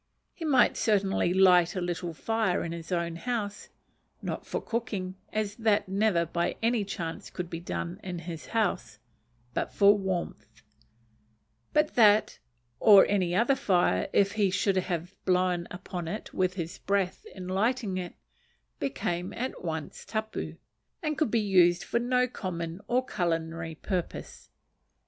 He might certainly light a little fire in his own house; not for cooking, as that never by any chance could be done in his house, but for warmth: but that, or any other fire, if he should have blown upon it with his breath in lighting it, became at once tapu, and could be used for no common or culinary purpose.